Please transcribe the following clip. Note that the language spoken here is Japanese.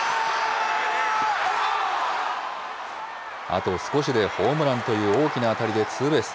あと少しでホームランという大きな当たりでツーベース。